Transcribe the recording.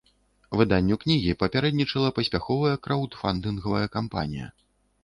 Выданню кнігі папярэднічала паспяховая краўдфандынгавая кампанія.